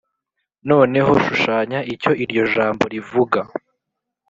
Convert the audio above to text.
Noneho shushanya icyo iryo jambo rivuga .